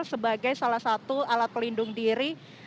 sebagai salah satu alat pelindung diri